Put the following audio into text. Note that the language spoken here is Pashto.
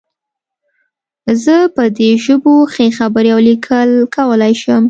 زه په دې ژبو ښې خبرې او لیکل کولی شم